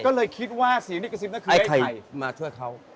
ก็เลยคิดว่าสีนิกสิบน่ะคือไอ้ไข่มาช่วยเขา